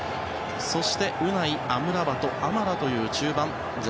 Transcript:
そして、２枚、アムラバトアマラという中盤。